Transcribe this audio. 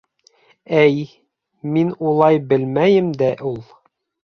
— Әй, мин уйлай белмәйем дә ул...